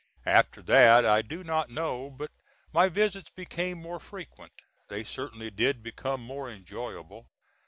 After that I do not know but my visits became more frequent; they certainly did become more enjoyable.